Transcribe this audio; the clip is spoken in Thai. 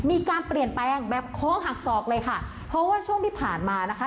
มีการเปลี่ยนแปลงแบบคล้องหักศอกเลยค่ะเพราะว่าช่วงที่ผ่านมานะคะ